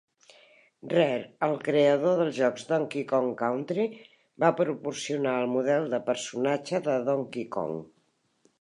Rare, el creador dels jocs "Donkey Kong Country", va proporcionar el model de personatge de Donkey Kong.